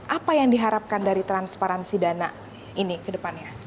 apa yang diharapkan dari transparansi dana ini ke depannya